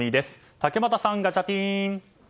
竹俣さん、ガチャピン！